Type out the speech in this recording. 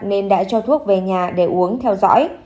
nên đã cho thuốc về nhà để uống theo dõi